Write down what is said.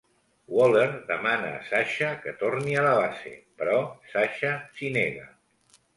Waller demana a Sasha que torni a la base, però Sasha s'hi nega.